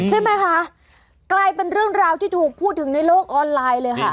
ใช่ไหมคะกลายเป็นเรื่องราวที่ถูกพูดถึงในโลกออนไลน์เลยค่ะ